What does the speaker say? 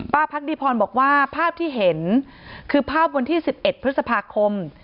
พักดีพรบอกว่าภาพที่เห็นคือภาพวันที่๑๑พฤษภาคม